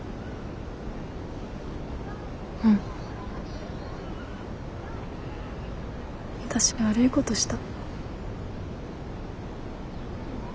うん。わたし悪いことした。